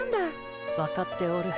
わかっておる。